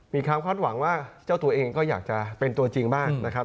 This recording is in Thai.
มีความคาดหวังว่าเจ้าตัวเองก็อยากจะเป็นตัวจริงบ้างนะครับ